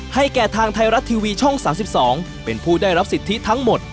แก่ทางไทยรัฐทีวีช่อง๓๒เป็นผู้ได้รับสิทธิทั้งหมด